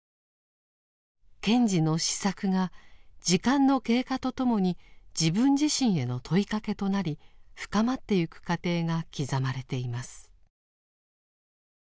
賢治の思索が時間の経過とともに自分自身への問いかけとなり深まってゆく過程が刻まれています。